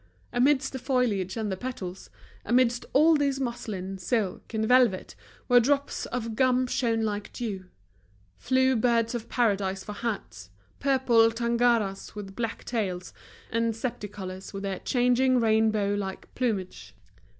Amidst the foliage and the petals, amidst all this muslin, silk, and velvet, where drops of gum shone like dew, flew birds of Paradise for hats, purple Tangaras with black tails, and Septicolores with their changing rainbow like plumage.